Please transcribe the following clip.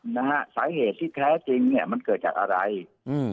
นะฮะสาเหตุที่แท้จริงเนี้ยมันเกิดจากอะไรอืม